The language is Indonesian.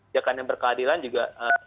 jangan berkeadilan juga